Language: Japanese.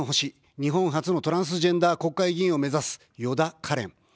日本初のトランスジェンダー国会議員を目指す、よだかれん。